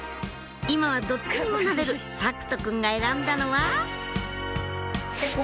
今はどっちにもなれる咲翔くんが選んだのは？